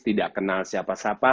tidak kenal siapa siapa